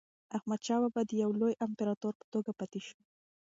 احمدشاه بابا د یو لوی امپراتور په توګه پاتې شو.